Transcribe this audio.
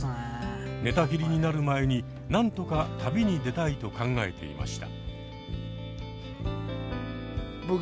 寝たきりになる前に何とか旅に出たいと考えていました。